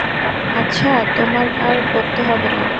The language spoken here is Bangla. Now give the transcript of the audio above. আচ্ছা, তোমার আর বকতে হবে না।